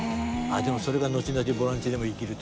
でもそれが後々ボランチにも生きるという。